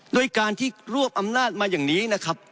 โดยการที่รวบอำนาจมาอย่างนี้นะครับ